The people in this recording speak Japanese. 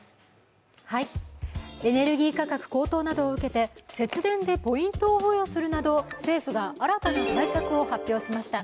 エネルギー価格高騰などを受けて節電でポイントを付与するなど政府が新たな対策を発表しました。